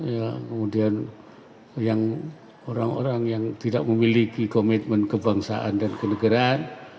ya kemudian yang orang orang yang tidak memiliki komitmen kebangsaan dan ke negaraan